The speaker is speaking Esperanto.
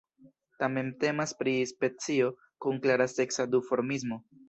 Tamen temas pri specio kun klara seksa duformismo.